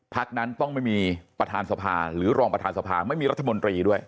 นั้นต้องไม่มีประธานสภาหรือรองประธานสภาไม่มีรัฐมนตรีด้วย